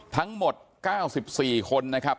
ทั้งหมด๙๔คนนะครับ